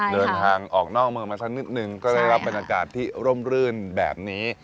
เดินทางออกนอกเมืองมาสักนิดนึงก็ได้รับบรรยากาศที่ร่มรื่นแบบนี้